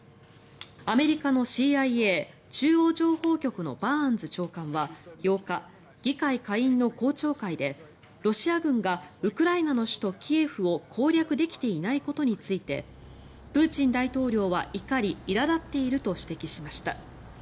アメリカのＣＩＡ・中央情報局のバーンズ長官は８日議会下院の公聴会でロシア軍がウクライナの首都キエフを攻略できていないことについてプーチン大統領は怒りいら立っていると指摘しました。